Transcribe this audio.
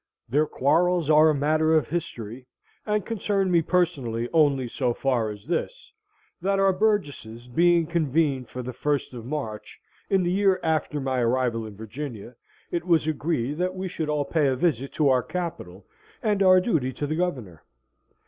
Their quarrels are a matter of history, and concern me personally only so far as this, that our burgesses being convened for the 1st of March in the year after my arrival in Virginia, it was agreed that we should all pay a visit to our capital, and our duty to the Governor.